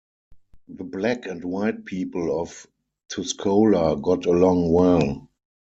The black and white people of Tuscola got along well.